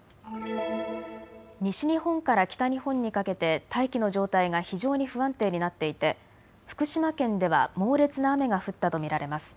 西日本から北日本にかけて大気の状態が非常に不安定になっていて福島県では猛烈な雨が降ったと見られます。